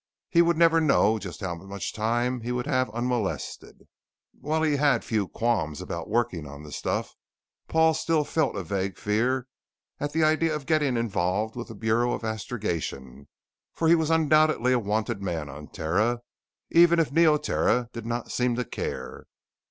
He would never know just how much time he would have unmolested. While he had few qualms about working on the stuff, Paul still felt a vague fear at the idea of getting involved with the Bureau of Astrogation, for he was undoubtedly a wanted man on Terra, even if Neoterra did not seem to care.